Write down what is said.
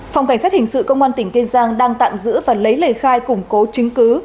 phòng cảnh sát hình sự công an tỉnh kiên giang đang tạm giữ và lấy lời khai củng cố chứng cứ